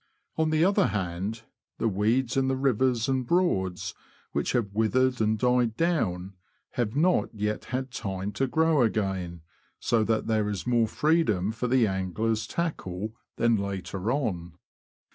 On the other hand, the weeds P 210 THE LAND OF THE BROADS. in the rivers and Broads, which have withered and died down, have not yet had time to grow again, so that there is more freedom for the angler's tackle than later on.